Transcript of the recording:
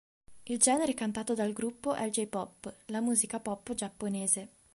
Il genere cantato dal gruppo è il "J-pop", la musica pop giapponese.